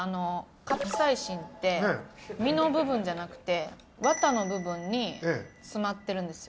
カプサイシンって実の部分じゃなくてわたの部分に詰まってるんですよ。